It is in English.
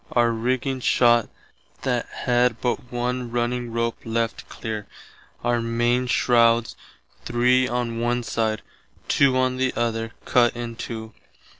Our rigging shott that had but one running rope left clear, our mainshrouds three on one side, two on the other cutt in two.